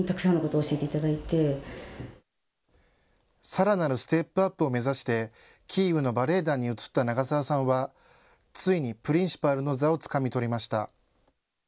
さらなるステップアップを目指してキーウのバレエ団に移った長澤さんはついにプリンシパルの座をつかみ取りました。